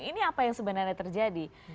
ini apa yang sebenarnya terjadi